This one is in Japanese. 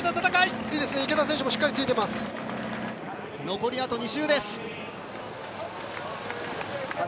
残りあと２周です。